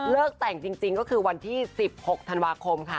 แต่งจริงก็คือวันที่๑๖ธันวาคมค่ะ